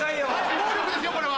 暴力ですよこれは！